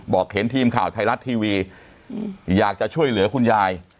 เห็นทีมข่าวไทยรัฐทีวีอยากจะช่วยเหลือคุณยาย